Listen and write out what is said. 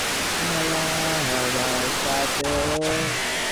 প্রথম এ রকম হলো বিলুর বিয়ের চার দিন পর।